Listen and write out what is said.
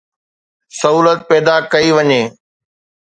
سهولت پيدا ڪئي وڃي.